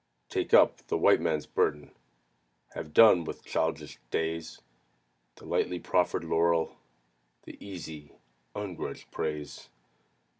Take up the White Man's burden Have done with childish days The lightly proffered laurel The easy, ungrudged praise.